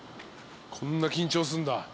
こんな緊張すんだ。